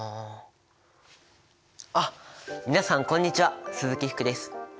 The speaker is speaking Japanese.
あっ皆さんこんにちは鈴木福です。